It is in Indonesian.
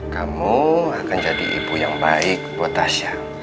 kamu akan jadi ibu yang baik buat tasya